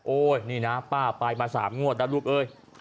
โอ้ยนี่นะป้าไปมาสามงวดนะรูปเอ้ย